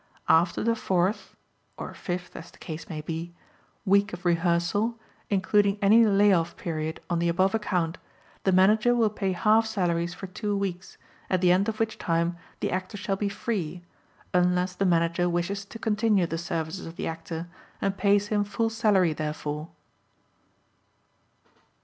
After the fourth (or fifth, as the case may be) week of rehearsal, including any lay off period on the above account, the Manager will pay half salaries for two weeks, at the end of which time the Actor shall be free, unless the Manager wishes to continue the services of the Actor and pays him full salary therefor.